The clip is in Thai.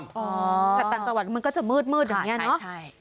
แต่ต่างตะวันมันก็จะมืดอย่างเนี่ยเนอะ